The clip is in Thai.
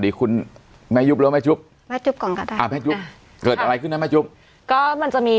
ดีคุณแม่ยุภหรือแม่จุ๊บเกิดอะไรขึ้นนะแม่จุ๊บก็มันจะมี